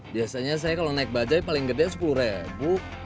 biasanya saya kalau naik bajai paling gede sepuluh ribu